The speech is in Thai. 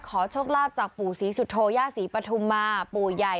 โชคลาภจากปู่ศรีสุโธย่าศรีปฐุมมาปู่ใหญ่